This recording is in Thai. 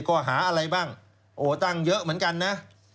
ข้อหาอะไรบ้างโอ้ตั้งเยอะเหมือนกันนะ